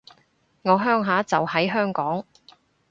我鄉下就喺香港